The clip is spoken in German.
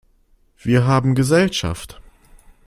Wir haben Gesellschaft!